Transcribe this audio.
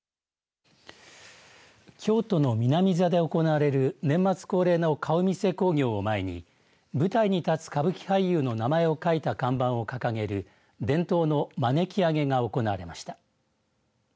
京都の南座で行われる年末恒例の顔見世興行を前に舞台に立つ歌舞伎俳優の名前を書いた看板を掲げる伝統のまねき上げが行われました。